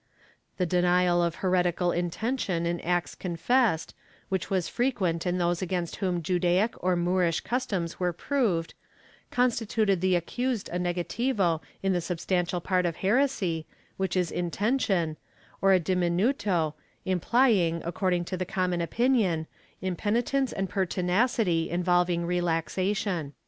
^ The denial of heretical intention in acts confessed, which was frequent in those against whom Judaic or Moorish customs were proved, constituted the accused a nega tive in the substantial part of heresy, which is intention, or a dimi nuto, implying, according to the common opinion, impenitence and pertinacity involving relaxation.